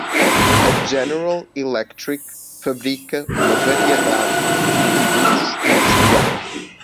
A General Electric fabrica uma variedade de produtos industriais.